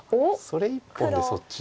それ１本でそっちですか。